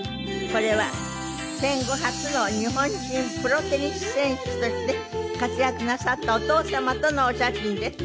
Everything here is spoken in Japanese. これは戦後初の日本人プロテニス選手として活躍なさったお父様とのお写真です。